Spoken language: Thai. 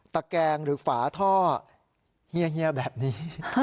แกงหรือฝาท่อเฮียแบบนี้